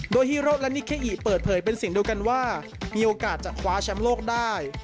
โดยฮีโร่และนิเคอีเปิดเผยเป็นเสียงเดียวกันว่ามีโอกาสจะคว้าแชมป์โลกได้